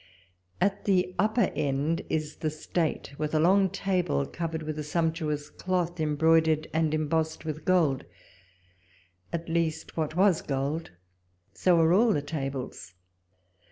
At the upper end is the state, with a long table, covei'ed with a sumptuous cloth, embroidered and embossed with gold — at least what was gold ; so are all the tables.